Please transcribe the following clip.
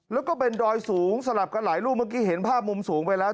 แล้วก็เป็นดอยสูงสลับกันหลายลูกเมื่อกี้เห็นภาพมุมสูงไปแล้ว